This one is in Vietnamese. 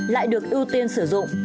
lại được ưu tiên sử dụng